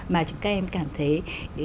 mà các em cảm thấy